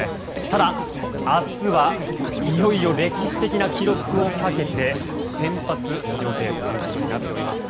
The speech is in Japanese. ただ、明日はいよいよ歴史的な記録をかけて先発予定ということになっております。